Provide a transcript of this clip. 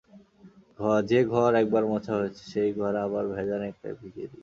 যে-ঘর একবার মোছা হয়েছে সেই ঘর আবার ভেজা ন্যাকড়ায় ভিজিয়ে দিই।